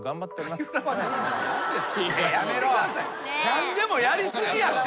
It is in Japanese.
何でもやり過ぎやって。